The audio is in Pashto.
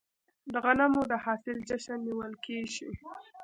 د غنمو د حاصل جشن نیول کیږي.